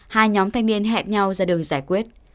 hai nhóm thanh niên hẹn nhau ra đường giải quyết